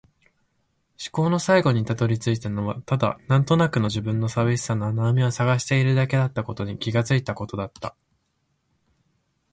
思考の最後に辿り着いたのはただ、なんとなくの自分の寂しさの穴埋めを探しているだけだったことに気がついたことだった。